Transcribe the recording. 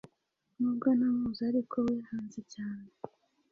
nubwo ntamuzi ariko we anzi cyane.